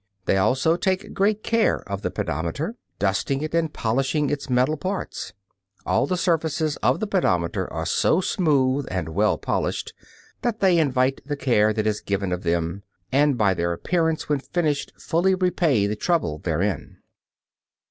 They also take great care of the pedometer, dusting it, and polishing its metal parts. All the surfaces of the pedometer are so smooth and well polished that they invite the care that is taken of them, and by their appearance when finished fully repay the trouble taken.